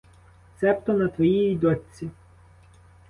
Цебто на твоїй дочці.